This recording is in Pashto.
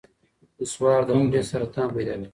نسوار د خولې سرطان پیدا کوي.